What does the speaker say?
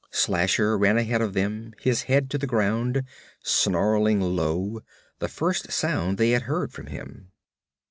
Slasher ran ahead of them, his head to the ground, snarling low, the first sound they had heard from him.